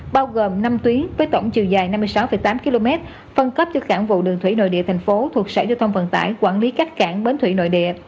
bao gồm năm tuyến với tổng chiều dài năm mươi sáu tám km phân cấp cho cảng vụ đường thủy nội địa thành phố thuộc sở giao thông vận tải quản lý các cảng bến thủy nội địa